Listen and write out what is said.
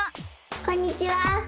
こんにちは！